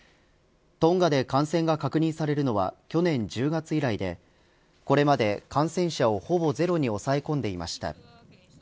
トンガで感染が確認されるのは去年１０月以来でこれまで感染者を、ほぼゼロに抑え込んでいました。